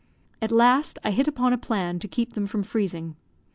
At last I hit upon a plan to keep them from freezing.